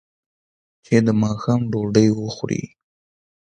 چې د ماښام ډوډۍ وخوري.